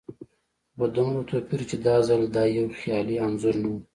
خو په دومره توپير چې دا ځل دا يو خيالي انځور نه و.